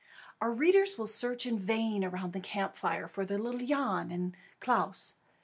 Our readers will search in vain around the camp fire for little Jan and Klaas.